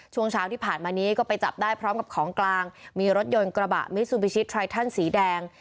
ช่วงเช้าที่ผ่านมานี้ก็ไปจับได้พร้อมกับของกลางมีรถยนต์กระบะมิซูบิชิไทรทันสีแดง